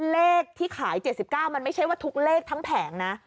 เลขที่ขาย๗๙มันไม่ใช่ว่าทุกเลขทั้งแผงนะ